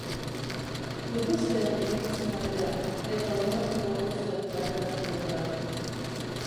Tupustean ireki zen atea, eta danbatekoa jo zuen paretaren kontra.